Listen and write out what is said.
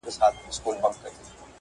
مجبوره یې دغو دریو ورځو کي